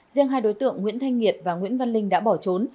riêng hai đối tượng nguyễn thanh nhiệt và nguyễn văn linh đã bỏ trốn